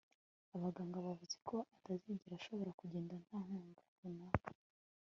abaganga bavuze ko atazigera ashobora kugenda nta nkunga runaka